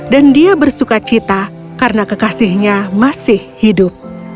dan dia bersuka cita karena kekasihnya masih hidup